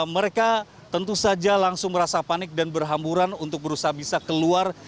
mereka tentu saja langsung merasa panik dan berhamburan untuk berusaha bisa keluar